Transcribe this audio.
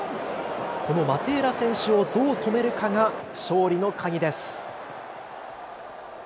このマテーラ選手をどう止めるかが勝利の鍵です。